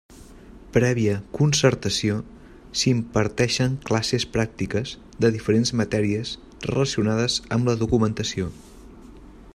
Prèvia concertació, s'hi imparteixen classes pràctiques de diferents matèries relacionades amb la documentació.